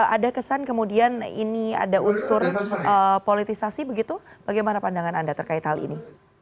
ada kesan kemudian ini ada unsur politisasi begitu bagaimana pandangan anda terkait hal ini